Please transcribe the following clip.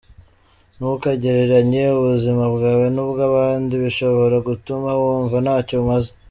Ntukagereranye ubuzima bwawe n’ubw’abandi, bishobora gutuma wumva ntacyo umaze.